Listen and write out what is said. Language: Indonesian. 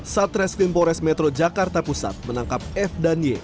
satres film pores metro jakarta pusat menangkap f danye